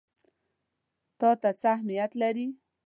تا ته څه اهمیت لري؟